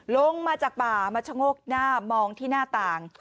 ลงมาจากป่ามาชะโงกหน้ามองที่หน้าต่าง